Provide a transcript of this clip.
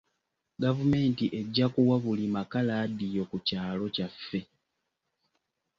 Gavumenti ejja kuwa buli maka laadiyo ku kyalo kyaffe.